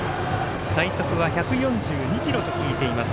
最速は１４２キロと聞いています。